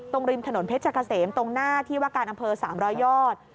ริมถนนเพชรกะเสมตรงหน้าที่ว่าการอำเภอ๓๐๐ยอด